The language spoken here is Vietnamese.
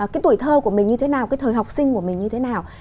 cái tuổi thơ của mình như thế nào cái thời học sinh của mình như thế nào